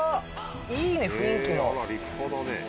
いいね雰囲気も。